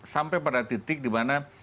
sampai pada titik dimana